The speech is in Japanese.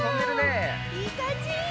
いいかんじ！